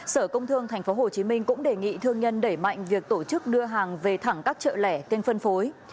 sở công thương tp hcm cũng đề nghị thương nhân đẩy mạnh việc tổ chức đưa hàng về thẳng các chợ lẻ kênh phân phối